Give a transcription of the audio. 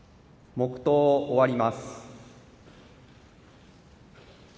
黙とうを終わります。